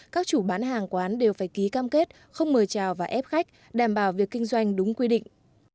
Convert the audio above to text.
các chủ bán hàng quán đều phải ký cam kết không mời chào và ép khách đảm bảo việc kinh doanh đúng quy định